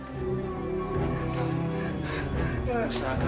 minumkan sama dia